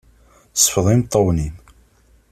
Sfeḍ imeṭṭawen-im.